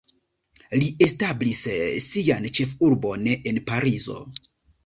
Li establis sian ĉefurbon en Parizo.